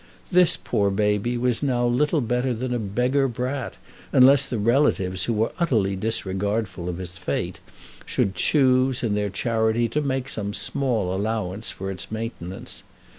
This poor baby was now little better than a beggar brat, unless the relatives who were utterly disregardful of its fate, should choose, in their charity, to make some small allowance for its maintenance.